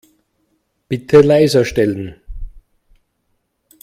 Bitte leiser stellen.